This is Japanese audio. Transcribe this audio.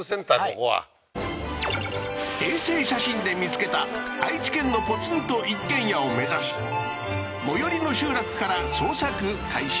ここは衛星写真で見つけた愛知県のポツンと一軒家を目指し最寄りの集落から捜索開始